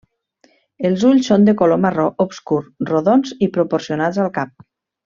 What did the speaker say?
Els ulls són de color marró obscur, rodons i proporcionats al cap.